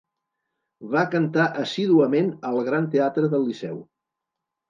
Va cantar assíduament al Gran Teatre del Liceu.